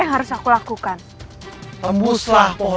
ini adalah kekuatan yang baru